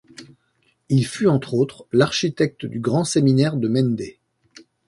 Il fut entre autres l'architecte du grand séminaire de Mende.